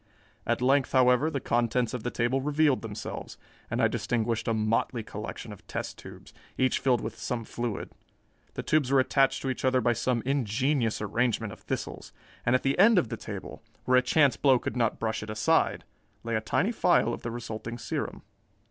At length, however, the contents of the table revealed themselves, and I distinguished a motley collection of test tubes, each filled with some fluid. The tubes were attached to each other by some ingenious arrangement of thistles, and at the end of the table, where a chance blow could not brush it aside, lay a tiny phial of the resulting serum.